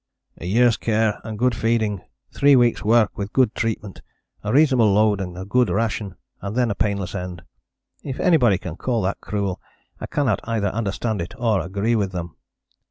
"A year's care and good feeding, three weeks' work with good treatment, a reasonable load and a good ration, and then a painless end. If anybody can call that cruel I cannot either understand it or agree with them."